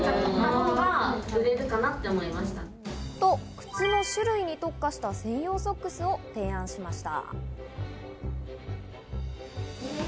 靴の種類に特化した専用ソックスを提案しました。